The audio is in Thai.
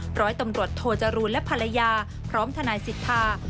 ร้อยตำรวจโทจรูลและภรรยาพร้อมทนายสิทธา